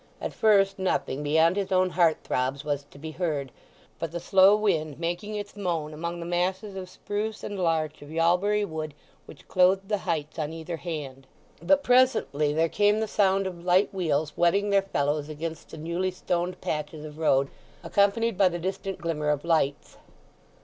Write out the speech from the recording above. At first nothing, beyond his own heart throbs, was to be heard but the slow wind making its moan among the masses of spruce and larch of Yalbury Wood which clothed the heights on either hand; but presently there came the sound of light wheels whetting their felloes against the newly stoned patches of road, accompanied by the distant glimmer of lights.